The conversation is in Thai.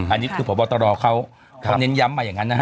อันนี้คือพบตรเขาเน้นย้ำมาอย่างนั้นนะฮะ